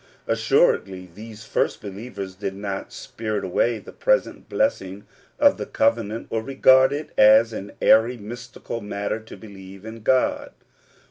Assuredly these first believers did not spirit away the present blessing of the covenant, or regard it as an airy, mystical matter to believe in God.